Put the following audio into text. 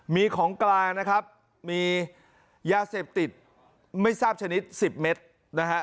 มีของกลางนะครับมียาเสพติดไม่ทราบชนิด๑๐เมตรนะฮะ